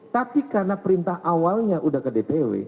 tapi karena perintah awalnya udah ke dpw